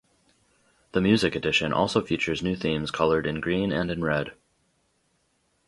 The Music edition also features new themes colored in Green and in Red.